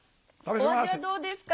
お味はどうですか？